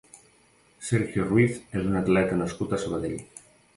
Sergio Ruiz és un atleta nascut a Sabadell.